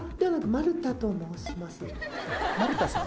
丸田さん？